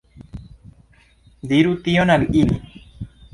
Diru tion al ili!